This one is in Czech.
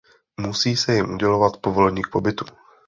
Musí se jim udělovat povolení k pobytu.